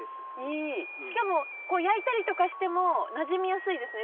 いいしかも焼いたりとかしてもなじみやすいですね